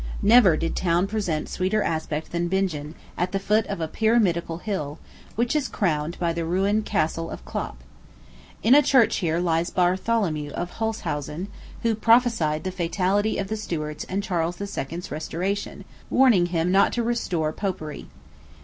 Never did town present sweeter aspect than Bingen, at the foot of a pyramidical hill, which is crowned by the ruined Castle of Klopp. In a church here lies Bartholomew of Holshausen, who prophesied the fatality of the Stuarts and Charles II.'s restoration, warning him not to restore Popery.